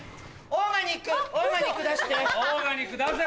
オーガニック出せ！